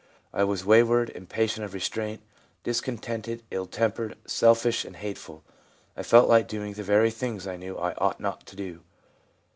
I was wayward, impatient of restraint, discontented, ill tempered, selfish and hateful. I felt like doing the very things I knew I ought not to do.